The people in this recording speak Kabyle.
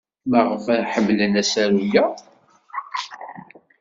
Maɣef ay ḥemmlen asaru-a?